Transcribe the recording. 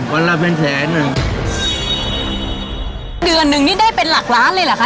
วันละเป็นแสนหนึ่งเดือนหนึ่งนี่ได้เป็นหลักล้านเลยเหรอคะ